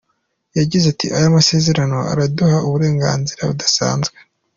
Yagize ati “Aya masezerano araduha uburenganzira budasanzwe.